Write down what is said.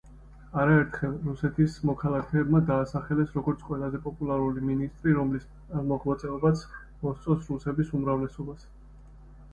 არაერთხელ, რუსეთის მოქალაქეებმა დაასახელეს როგორც „ყველაზე პოპულარული მინისტრი, რომლის მოღვაწეობაც მოსწონს რუსების უმრავლესობას“.